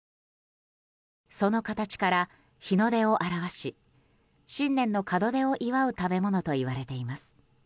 その形から日の出を表し新年の門出を祝う食べ物といわれています。